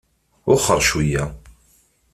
Wexxer cweyya.